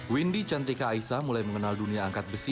windy cantika aisa mulai mengenal dunia angkat besi